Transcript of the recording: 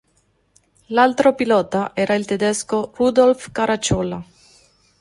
L'altro pilota era il tedesco Rudolf Caracciola.